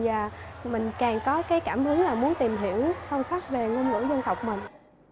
và mình càng có cái cảm hứng là muốn tìm hiểu sâu sắc về ngôn ngữ dân tộc mình